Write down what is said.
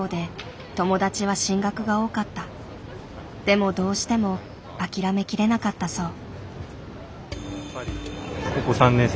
でもどうしても諦めきれなかったそう。